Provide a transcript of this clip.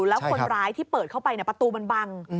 แล้วคนร้ายที่เปิดเข้าไปประตูมันบัง